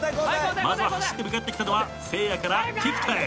まず走って向かってきたのはせいやから菊田へ。